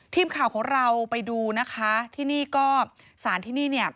ทีมข่าวของเราไปดูนะคะที่นี่ก็สารที่นี่เนี่ย